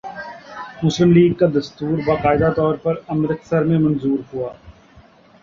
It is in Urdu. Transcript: مسلم لیگ کا دستور باقاعدہ طور پر امرتسر میں منظور ہوا